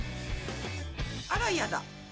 あらやだ。